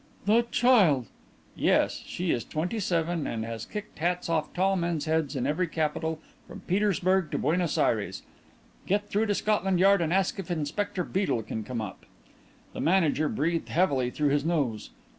"That child!" "Yes. She is twenty seven and has kicked hats off tall men's heads in every capital from Petersburg to Buenos Aires! Get through to Scotland Yard and ask if Inspector Beedel can come up." The manager breathed heavily through his nose.